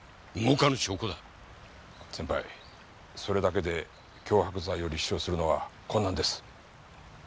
先輩それだけで脅迫罪を立証するのは困難です。